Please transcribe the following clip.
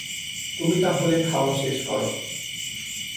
তুমি তাহলে খাওয়া শেষ করো।